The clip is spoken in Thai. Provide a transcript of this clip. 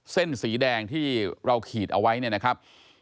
เส้นสีแดงที่เราขีดเอาไว้เนี่ยนะครับ